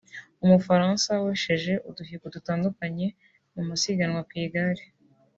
umufaransa wesheje uduhigo dutandukanye mu masiganwa ku igare